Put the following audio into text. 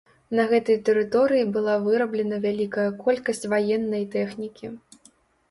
На гэтай тэрыторыі была выраблена вялікая колькасць ваеннай тэхнікі.